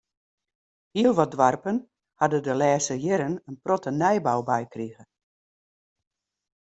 Hiel wat doarpen ha der de lêste jierren in protte nijbou by krige.